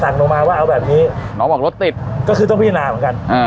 หนูมาว่าเอาแบบนี้น้องบอกรถติดก็คือต้องพิจารณาเหมือนกัน